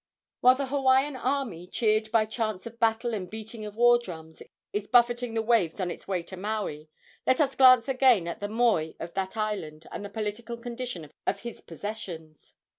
While the Hawaiian army, cheered by chants of battle and beating of war drums, is buffeting the waves on its way to Maui, let us glance again at the moi of that island and the political condition of his possessions.